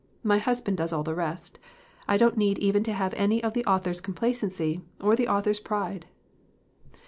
My husband does all the rest I don't need even to have any of the author's com placency, or the author's pride!"